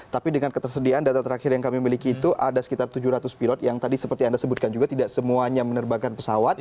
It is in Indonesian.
tapi dengan ketersediaan data terakhir yang kami miliki itu ada sekitar tujuh ratus pilot yang tadi seperti anda sebutkan juga tidak semuanya menerbangkan pesawat